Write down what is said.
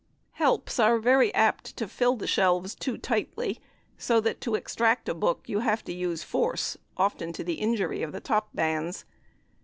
"Helps" are very apt to fill the shelves too tightly, so that to extract a book you have to use force, often to the injury of the top bands.